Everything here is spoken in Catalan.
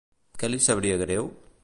Què li sabria greu?